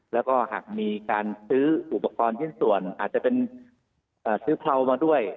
แล้วก็หากมีการซื้ออุปกรณ์ชิ้นส่วนอาจจะเป็นซื้อเพรามาด้วย